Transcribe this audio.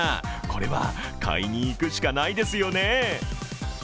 これは買いに行くしかないですよね。